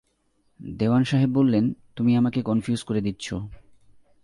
দেওয়ান সাহেব বললেন, তুমি আমাকে কনফিউজ করে দিচ্ছ।